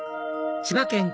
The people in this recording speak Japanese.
千葉県